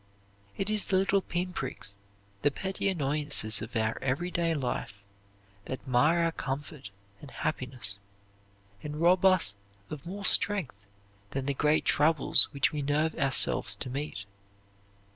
It is the little pin pricks, the petty annoyances of our everyday life, that mar our comfort and happiness and rob us of more strength than the great troubles which we nerve ourselves to meet.